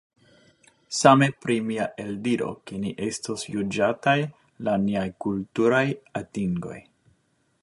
Same pri mia eldiro ke ni estos juĝataj laŭ niaj kulturaj atingoj.